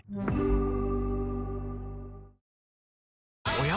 おや？